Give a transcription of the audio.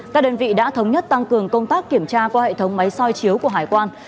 các đơn vị đã thống nhất tăng cường công tác kiểm tra qua hệ thống máy soi chiếu của hải quan